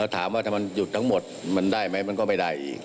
ถามว่าถ้ามันหยุดทั้งหมดมันได้ไหมมันก็ไม่ได้อีก